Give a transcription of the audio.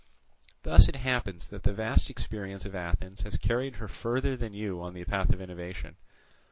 Thus it happens that the vast experience of Athens has carried her further than you on the path of innovation.